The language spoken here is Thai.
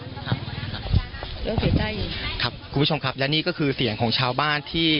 เรื่องเสียใจครับคุณผู้ชมครับและนี่ก็คือเสียงของชาวบ้านที่